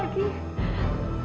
masih ada pekerjaan kok